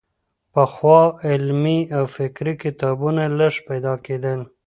پخوا علمي او فکري کتابونه لږ پيدا کېدل.